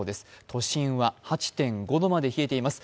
都心は８．５度まで冷えています。